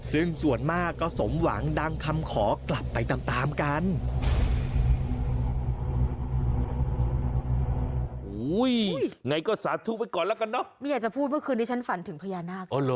ซึ่งส่วนมากก็สมหวังดังคำขอกลับไปตามกัน